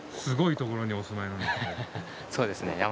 すごいところにお住まいなんですね。